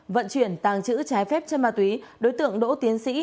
vận chuyển tàng trữ trái phép trên ma túy đối tượng đỗ tiến sĩ